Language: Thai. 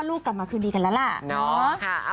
เนอะพ่อลูกกลับมาคืนดีกันแล้วล่ะเนอะ